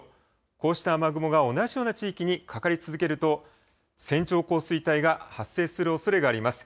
こうした雨雲が同じような地域にかかり続けると、線状降水帯が発生するおそれがあります。